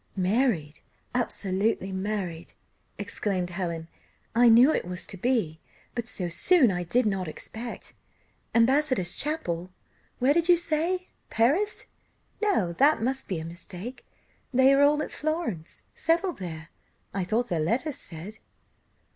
"Married! absolutely married!" exclaimed Helen: "I knew it was to be, but so soon I did not expect. Ambassador's chapel where did you say? Paris? No, that must be a mistake, they are all at Florence settled there, I thought their letters said."